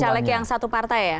caleg yang satu partai ya